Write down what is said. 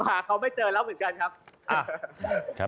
หาเขาไม่เจอแล้วเหมือนกันครับ